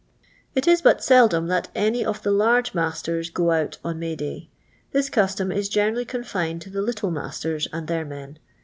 It is but seldom that 'any of the large masters go out on May day ; this custom is generally con fined to the little masters and their men.